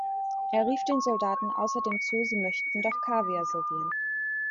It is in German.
Er rief den Soldaten außerdem zu, sie möchten doch Kaviar servieren.